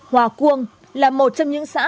hòa cuông là một trong những xã